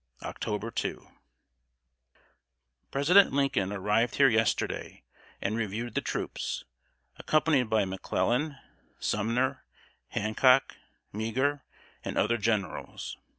] October 2. President Lincoln arrived here yesterday, and reviewed the troops, accompanied by McClellan, Sumner, Hancock, Meagher, and other generals.